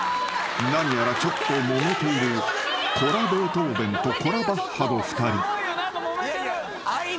何やらちょっともめているコラベートーヴェンとコラバッハの２人］